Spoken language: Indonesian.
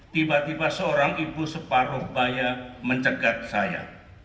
tiba tiba seorang ibu separuh baya mencegat saya